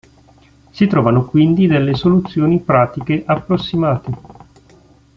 Si trovano quindi delle soluzioni pratiche approssimate.